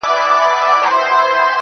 خلگو شتنۍ د ټول جهان څخه راټولي كړې~